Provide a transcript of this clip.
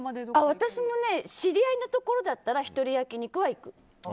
私も知り合いのところだったら一人焼き肉は行く。